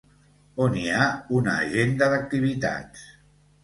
On hi ha una agenda d'activitats?